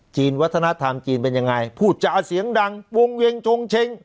วัฒนธรรมจีนเป็นยังไงพูดจาเสียงดังวงเวงจงเช็ง